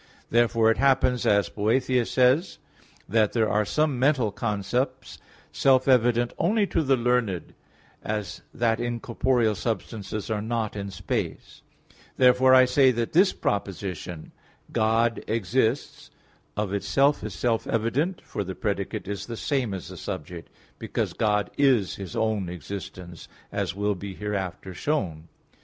Therefore, it happens, as Boethius says (Hebdom., the title of which is: "Whether all that is, is good"), "that there are some mental concepts self evident only to the learned, as that incorporeal substances are not in space." Therefore I say that this proposition, "God exists," of itself is self evident, for the predicate is the same as the subject, because God is His own existence as will be hereafter shown (Q.